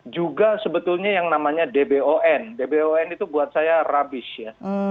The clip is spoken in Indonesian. juga sebetulnya yang namanya dbon dbon itu buat saya rubbish ya